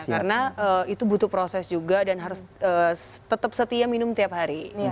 karena itu butuh proses juga dan harus tetap setia minum tiap hari